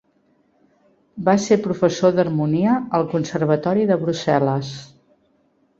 Va ser professor d'harmonia al Conservatori de Brussel·les.